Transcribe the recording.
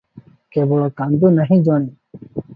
କେବଳ କାନ୍ଦୁ ନାହିଁ ଜଣେ ।